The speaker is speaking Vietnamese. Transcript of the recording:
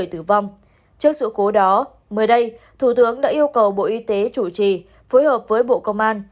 trước sự cố đó mới đây thủ tướng đã yêu cầu bộ y tế chủ trì phối hợp với bộ công an